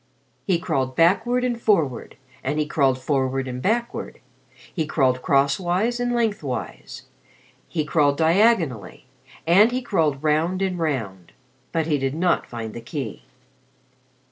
He crawled backward and forward, and he crawled forward and backward. He crawled crosswise and lengthwise, he crawled diagonally, and he crawled round and round. But he did not find the key.